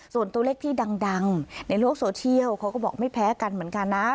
ส่วนตัวเลขที่ดังในโลกโซเชียลเขาก็บอกไม่แพ้กันเหมือนกันนะ